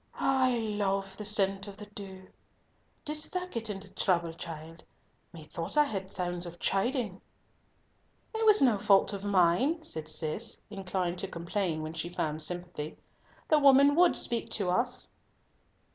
"I love the scent of the dew. Didst get into trouble, child? Methought I heard sounds of chiding?" "It was no fault of mine," said Cis, inclined to complain when she found sympathy, "the woman would speak to us."